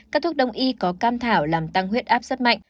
các thuốc đông y có cam thảo làm tăng huyết áp rất mạnh